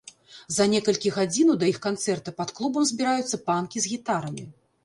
За некалькі гадзінаў да іх канцэрта пад клубам збіраюцца панкі з гітарамі.